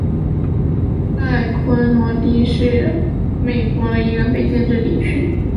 塞昆迪诺是位于美国亚利桑那州皮马县的一个非建制地区。